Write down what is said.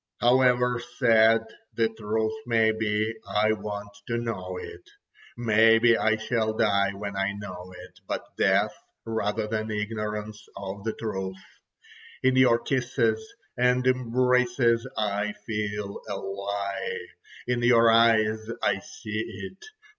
"However sad the truth may be, I want to know it. Maybe I shall die when I know it, but death rather than ignorance of the truth. In your kisses and embraces I feel a lie. In your eyes I see it.